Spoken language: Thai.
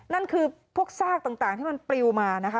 นั่นคือพวกซากต่างที่มันปลิวมานะคะ